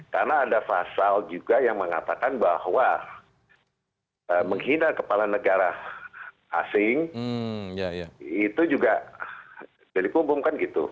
karena ada fasal juga yang mengatakan bahwa menghina kepala negara asing itu juga delik umum kan gitu